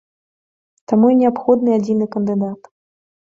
Таму і неабходны адзіны кандыдат.